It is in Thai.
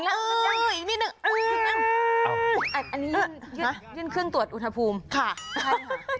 อันนี้ยื่นขึ้นตรวจอุณหภูมิ